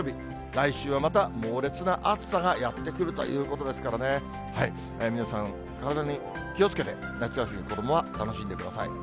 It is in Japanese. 来週はまた猛烈な暑さがやって来るということですからね、皆さん、体に気をつけて、夏休みの子どもは楽しんでください。